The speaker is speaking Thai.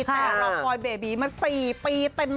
แต่รอคอยเบบีมา๔ปีเต็ม